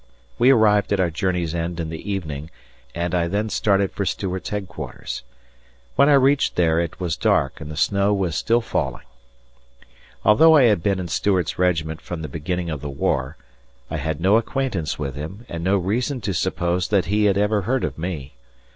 We arrived at our journey's end in the evening, and I then started for Stuart's headquarters. When I reached there it was dark, and the snow was still falling. Although I had been in Stuart's regiment from the beginning of the war, I had no acquaintance with him and no reason to suppose that he had ever heard of me.